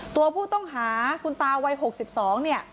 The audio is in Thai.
ตัวผู้ต้องหาคุณตาวัย๖๒เนี่ย